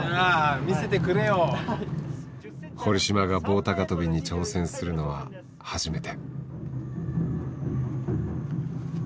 堀島が棒高跳びに挑戦するのは初めて。